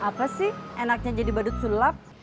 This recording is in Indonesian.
apa sih enaknya jadi badut sulap